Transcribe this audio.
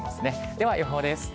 では予報です。